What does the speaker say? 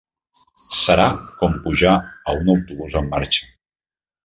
Serà com pujar a un autobús en marxa.